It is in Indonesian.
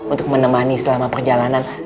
untuk menemani selama perjalanan